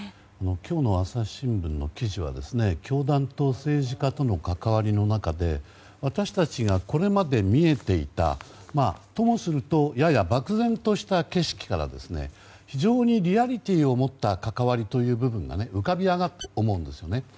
今日の朝日新聞の記事は教団と政治家との関わりの中で私たちがこれまで見えていたともするとやや漠然とした景色から非常にリアリティーを持った関わりが浮かび上がったと思うんですね。